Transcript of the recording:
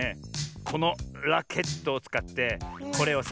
このラケットをつかってこれをさ